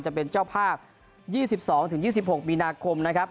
จะเป็นเจ้าภาพ๒๒๒๖มีนาคมนะครับ